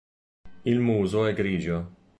Il muso è grigio.